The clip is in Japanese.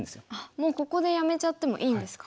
もうここでやめちゃってもいいんですか。